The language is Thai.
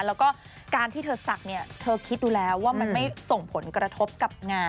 แล้วก็การที่เธอศักดิ์เนี่ยเธอคิดดูแล้วว่ามันไม่ส่งผลกระทบกับงาน